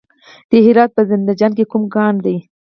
د هرات په زنده جان کې کوم کان دی؟